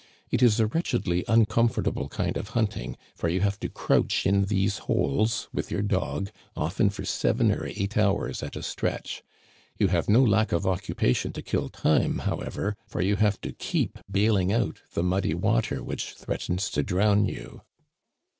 It is a wretchedly uncom fortable kind of hunting, for you have to crouch in these holes, with your dog, often for seven or eight hours at a stretch. You have no lack of occupation to kill time, however, for you have to keep bailing out the muddy water which threatens to drown you.